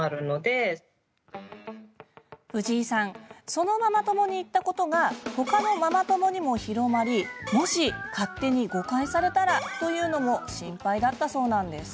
そのママ友に言ったことが他のママ友にも広まり、もし勝手に誤解されたらというのも心配だったそうなんです。